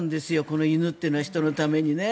この犬っていうのは人のためにね。